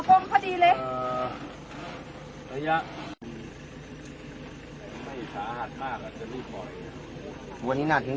พร้อมแก้มมีจะได้ไว้สิ